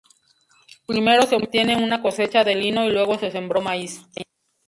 Primero se obtiene una cosecha de Lino y luego se sembró Maíz.